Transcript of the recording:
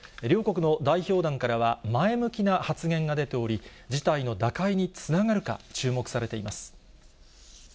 両国の代表団からは、前向きな発言が出ており、事態の打開につながるか、注目されています。